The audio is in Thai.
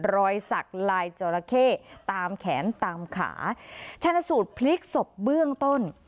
รอยสักลายจราเข้ตามแขนตามขาชนสูตรพลิกศพเบื้องต้น